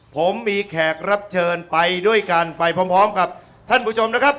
ผมมีแขกรับเชิญไปด้วยกันไปพร้อมกับท่านผู้ชมนะครับ